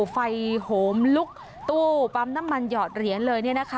โหมลุกตู้ปั๊มน้ำมันหยอดเหรียญเลย